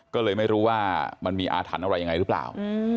ก็เลยไม่รู้ว่ามันมีอาถรรพ์อะไรยังไงหรือเปล่า